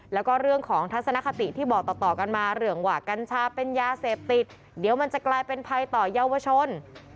แล้วก็เรื่องของทัศนคติที่บอกต่อกันมาเรื่องว่ากัญชาเป็นยาเสพติดเดี๋ยวมันจะกลายเป็นภัยต่อเยาวชน